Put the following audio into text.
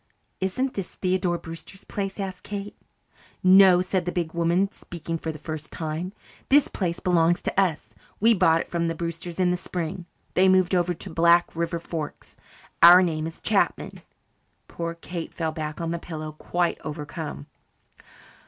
"Isn't this Theodore Brewster's place?" gasped Kate. "No," said the big woman, speaking for the first time. "This place belongs to us. We bought it from the Brewsters in the spring. They moved over to Black River Forks. Our name is Chapman." Poor Kate fell back on the pillow, quite overcome.